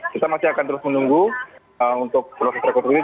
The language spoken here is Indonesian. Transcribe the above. kita masih akan terus menunggu untuk proses rekonstruksi